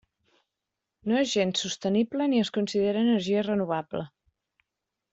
No és gens sostenible ni es considera energia renovable.